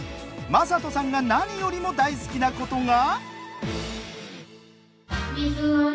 将人さんが何よりも大好きなことが。